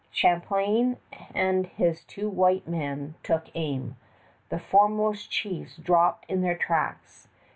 Champlain and his two white men took aim. The foremost chiefs dropped in their tracks.